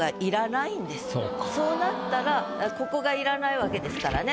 そうなったらここが要らないわけですからね。